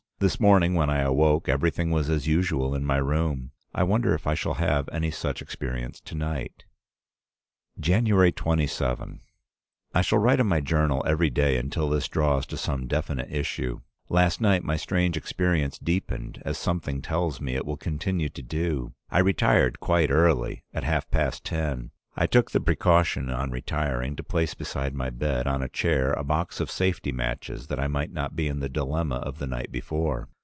This morning when I awoke everything was as usual in my room. I wonder if I shall have any such experience to night. "January 27. I shall write in my journal every day until this draws to some definite issue. Last night my strange experience deepened, as something tells me it will continue to do. I retired quite early, at half past ten. I took the precaution, on retiring, to place beside my bed, on a chair, a box of safety matches, that I might not be in the dilemma of the night before.